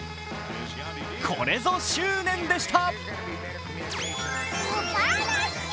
これぞ執念でした。